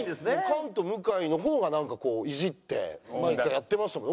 菅と向井の方がなんかこうイジって毎回やってましたもん。